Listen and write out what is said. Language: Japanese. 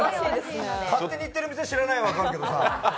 勝手に行ってる店は知らないはあるけどさ。